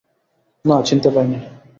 না, চিনতে পায় নি।